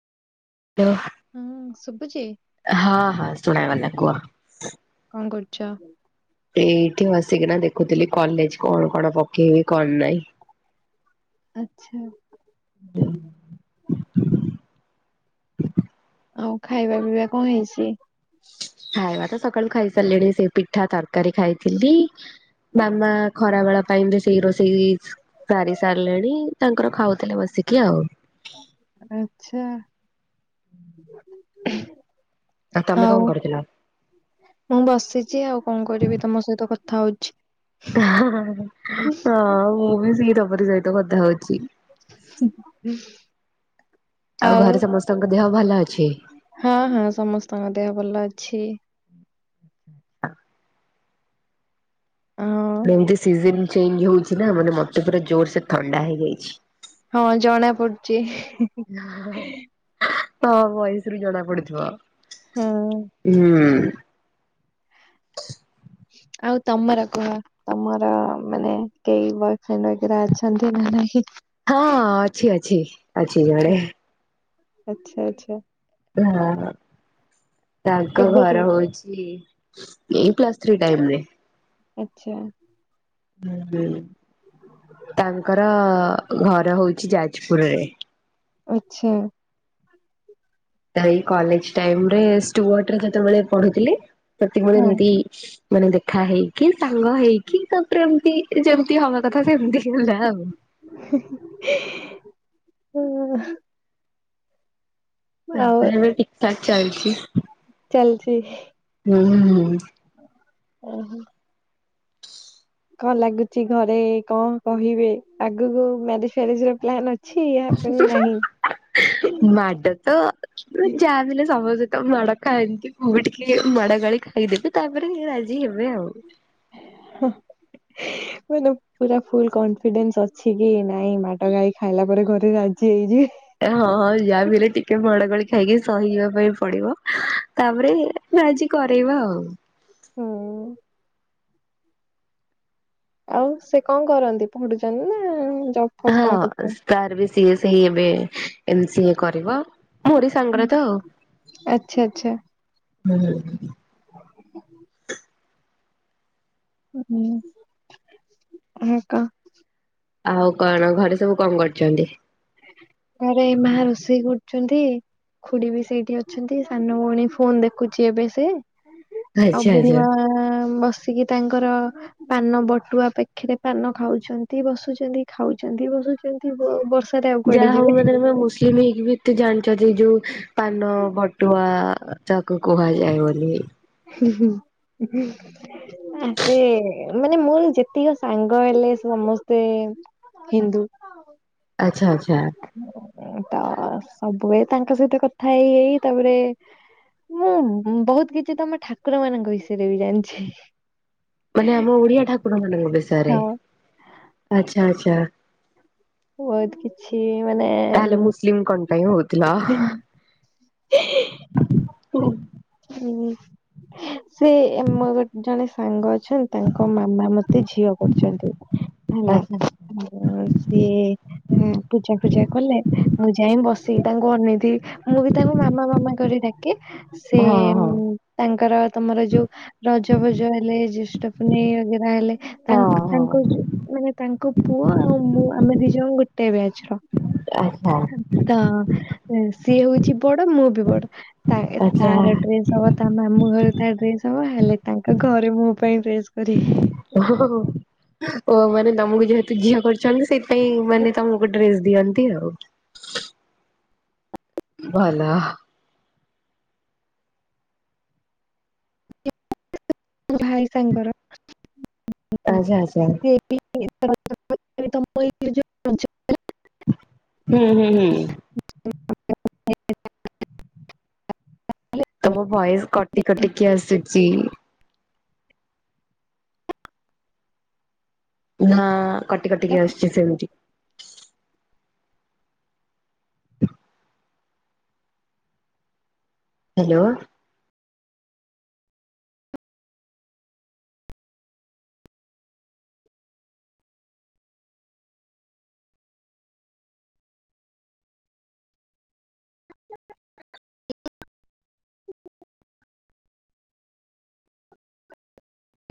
[unintelligible] ହଁ, ଶୁଭୁଛି? ହଁ, ହଁ, ଶୁଣାଗଲା କୁହ। କଣ କରୁଛ? ଏଇଠି ବସିକିନା ଦେଖୁଥିଲି କଲେଜ କଣ କଣ ପକେଇବି କଣ ନାଇଁ। ଆଛା। ଆଉ ଖାଇବା ପିଇବା କଣ ହେଇଛି? ଖାଇବା ତ ସକାଳୁ ଖାଇ ସାରିଲିଣି, ସେ ପିଠା ତରକାରୀ ଖାଇଥିଲି। ମାମା ଖରାବେଳ ପାଇଁ ବି ସେଇ ରୋଷେଇ ସାରି ସାରିଲେଣି ତାଙ୍କର ଖାଉଥିଲେ ବସିକି ଆଉ। ଆଛା। ତମେ କଣ ଆଉ? କରୁଥିଲ? ମୁଁ ବସିଛି ଆଉ କଣ କରିବି ତମ ସହିତ କଥା ହଉଛି। ହଁ ମୁଁ ବି ସେ ତମରି ସହିତ କଥା ହଉଛି। ହ ଆଉ ଘରେ ସମସ୍ତଙ୍କ ଦେହ ଭଲ ଅଛି? ହଁ ହଁ ସମସ୍ତଙ୍କ ଦେହ ଭଲ ଅଛି। ହଁ ଏମତି ସିଜନ ଚେଞ୍ଜ ହଉଛି ନା, ମାନେ ମତେ ପୁରା ଜୋର ସେ ଥଣ୍ଡା ହେଇଯାଇଛି। ହଁ ଜଣା ପଡୁଛି। ହଁ ଭୟସରୁ ଜଣା ପଡିୁଥିବ, ହଁ ହୁଁ। ଆଉ ତମର କୁହ। ତମର ମାନେ କେହି ବୟଫ୍ରେଣ୍ଡ ବଗେରା ଅଛନ୍ତି ନା ନାଇଁ? ହଁ ଅଛି ଅଛି ଅଛି ଜଣେ। ଆଚ୍ଛା ଆଚ୍ଛା। ହଁ ତାଙ୍କ କେବେଠୁ? ଘର ହଉଛି ଏଇ ପ୍ଲସ ଥ୍ରୀ ଟାଇମରେ। ଆଚ୍ଛା। ହୁଁ ହୁଁ ତାଙ୍କର ଘର ହଉଛି ଯାଜପୁରରେ। ଆଛା। ଏଇ କଲେଜ ଟାଇମ ରେ ଷ୍ଟୁଆଟ୍ ରେ ଯେତେବେଳେ ପଢୁଥିଲେ ସେତିକି ବେଳେ ହଁ ଏମତି ମାନେ ଦେଖା ହେଇକି, ସାଙ୍ଗ ହେଇକି, ତାପରେ ଏମିତି ଯେମତି ହବା କଥା ସେମତି ହେଲା ଆଉ। ହଁ ଆଉ ତାପରେ ଏବେ ଠିକ ଠାକ ଚାଲୁଛି ଆଉ। ଚାଲଛି। ହୁଁ ହୁଁ। ଓହୋ। କଣ ଲାଗୁଛି ଘରେ କଣ କହିବେ, ଆଗକୁ ମ୍ୟାରେଜ ଫ୍ୟାରେଜ ର ପ୍ଳାନ୍ ଅଛି। ୟା ପୁଣି ନାହିଁ ମାଡ ତ ଯାହା ବି ହେଲେ ସମତେ ତ୍ ମାଡ ଖାଆନ୍ତି ମୁଁ ବି ଟିକେ ମାଡ ଗାଳି କହି ଦେବେ ତାପରେ ରାଜି ହେବେ ଆଉ। ହଁ। ମାନେ ପୁରା ଫୁଲ କନଫିଡେନ୍ସ ଅଛି କି ନାଇଁ, ମାଡ ଗାଈ ଖାଇଲା ପରେ ଘରେ ରାଜି ହେଇ ଯିବେ। ହଁଁ ଯାହା ବି ହେଲେ ଟିକେ ମାଡଗାଳି ଖାଇକି ସହିିଜିବା ପାଇଁ ପଡିବ, ତାପରେ ଆଜି କରେଇବା ଆଉ। ହଁ। ଆଉ ସେ କଣ କରନ୍ତି, ପଢୁଛନ୍ତି ନା ଜବ୍ ଫପ୍ କଣ ହଁ କରୁଛନ୍ତି? ତାର ବି ସିଏ ସେଇ ଏବେ ଏମ୍-ସି- କରିବ। ମୋରି ସାଙ୍ଗରେ ତ ଆଚ୍ଛା ଆଚ୍ଛା ହୁଁ। [inaudible] ଉଁ ହୁଁ ଆକ। ଆଉ କଣ ଘରେସବୁ କଣ କରୁଚନ୍ତି? ଘରେ ଏଇ ମା ରୋଷେଇ କରୁଛନ୍ତି। ଖୁଡ଼ିବି ସେଇଠି ଅଛନ୍ତି ସାନ ଭଉଣୀ ଫୋନ୍ ଦେଖୁଚି ଏବେ ସେ। ଆଉ ଆଚ୍ଛା ଆଚ୍ଛା। ବୁଢୀମା ବସିକି ତାଙ୍କର ପାନ ବଟୁଆ ପାଖେରେ ପାନ ଖାଉଛନ୍ତି ବସୁଛନ୍ତି ଖାଉଛନ୍ତି ବସୁଛନ୍ତି ବ ବସୁ ଯାହା ହଉ ମାନେ ତମେ ମୁସ୍ଲିମ୍ ହେଇକି ବି ଏତେ ଜାଣିଚଯେ ଯୋଉ ପାନ ବଟୁଆ ତାକୁ କୁହାଯାଏ ବୋଲି। ହୁଁ ହୁଁ ହୁଁ ଆମେ ମାନେ ମୋର ଯେତିକ ସାଙ୍ଗ ହେଲେ ସମସ୍ତେ ହିନ୍ଦୁ। ଆଚ୍ଛା ଆଚ୍ଛା। ତ ସବୁବେଳେ ତାଙ୍କସହିତ କଥା ହେଇ ହେଇ ତାପରେ ମୁଁ ବହୁତ୍ କିଛିତମ ଠାକୁର ମାନଙ୍କ ବିଷୟରେ ବି ଜାଣିଚି। ମାନେ ଆମ ଓଡିଆ ଠାକୁର ମାନଙ୍କ ବିଷୟରେ ହଁ। ଆଛା ଆଛା। ବହୁତ୍ କିଛି ମାନେ ମୁସଲିମ କଣ ପାଇଁ ହଉଥିଲ? [unintelligible] ହୁଁ ସେ ମୋ ଗୋ ଜଣେସାଙ୍ଗ ଅଛ ତାଙ୍କ ମାମା ମତେ ଝିଅ କରଚନ୍ତି ହେଲା ଆଚ୍ଛା ଆଉ ସିଏ ହୁଁ ପୂଜା ଫୂଜା କଲେ ମୁଁ ଯାଇ ବସିକି ତାଙ୍କୁ ଅନେଇଥିବି ମୁଁ ବି ତାଙ୍କୁ ମାମା ମାମା କରି ଡାକେ ସେ ସେ ହଁ ଉ ହଁ। ତାଙ୍କର ତମର ଯୋଉ ରଜଫଜ ହେଲେ ଜ୍ୟେଷ୍ଠ ପୂନେଇ ବଗେରା ହେଲେ ହଁ ତାଙ୍କ ତାଙ୍କର ହଁ ଯୋଉ ମାନେ ତାଙ୍କପୁଅ ଆଉ ମୁଁ ଆମେ ଦିଜଣ ଗୋଟେ ବ୍ୟାଜର। ଆଚ୍ଛା ତ ସିଏ ହଉଚି ବଡ଼ ମୁଁବି ବଡ଼ ତା ଏ, ଆଚ୍ଛା। ତାର ଡ୍ରେସ୍ ହବ ତା ମାମୁଁ ଘରେ ତା ଡ୍ରେସ୍ ହବ ହେଲେ ତାଙ୍କ ଘରେ ମୋପାଇଁ ଡ୍ରେସ୍ କରିବେ। ଓହୋ ହୋ। ଓ ମାନେ ତମକୁ ଯେହେତୁ ଝିଅ କରିଚନ୍ତି ସେଇଥିପାଇଁ ମାନେ ତମକୁ ଡ୍ରେସ୍ ଦିଅନ୍ତି ଆଉ। ଭଲ। [unintelligible] ମୋଭାଇ ସାଙ୍ଗର [unintelligible] ଆଚ୍ଛା ଆଚ୍ଛା ସିଏ [unintelligible] [unintelligible] ହୁଁ ହୁଁ ହୁଁ। ତମ ଭଏସ୍ କଟି କଟିକି ଆସୁଚି। ହଁ କଟି କଟିକି ଆସୁଚି ସେମିତି। [inaudible] ହ୍ୟାଲୋ।